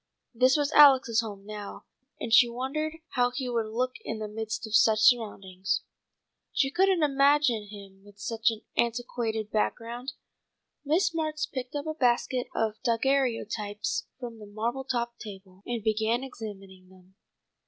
This was Alex's home now, and she wondered how he would look in the midst of such surroundings. She couldn't imagine him with such an antiquated background. Miss Marks picked up a basket of daguerreotypes from the marble topped table, and began examining them.